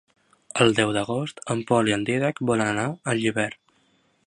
El deu d'agost en Pol i en Dídac volen anar a Llíber.